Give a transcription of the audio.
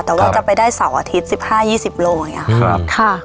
แต่ว่าจะไปได้เสาร์อาทิตย์สิบห้ายี่สิบโลอย่างเงี้ยครับค่ะ